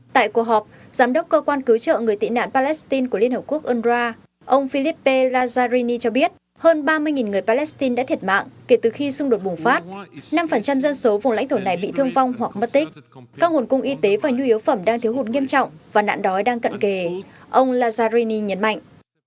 tại cuộc họp giám đốc cơ quan cứu trợ người tị nạn palestine của liên hợp quốc unrwa ông philippe lazzarini cho biết hơn ba mươi người palestine đã thiệt mạng kể từ khi xung đột bùng phát năm dân số vùng lãnh thổ này bị thương vong hoặc mất tích các nguồn cung y tế và nhu yếu phẩm đang thiếu hụt nghiêm trọng và nạn đói đang cận kề ông lazzarini nhấn mạnh